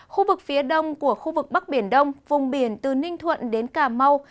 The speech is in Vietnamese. khu vực phía đông của khu vực bắc biển đông vùng biển từ ninh thuận đến cà mau